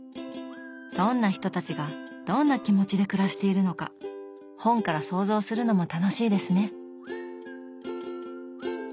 どんな人たちがどんな気持ちで暮らしているのか本から想像するのも楽しいですね。